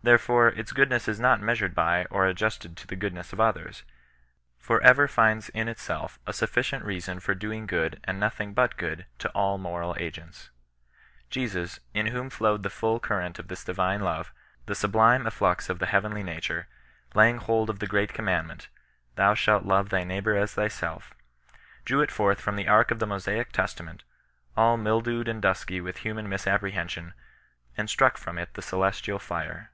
Therefore its goodness is not measured by or ad justed to the goodness of others, but ever finds in itself a 8ufi[icient reason for doing good and nothing but good to all moral agents. Jesus, in whom flowed the full current of this divine love, the sublime efflux of the heavenly nature, laying hold of the great commandment, " Thou shalt love thy neighbour as thyself," drew it forth from the ark of the Mosaic Testament, all mildewed and dusky niih human miaapprehennon^ and ginick from it tae o3 18 OHRISTIAN NON BESISTANOE. celestial fire.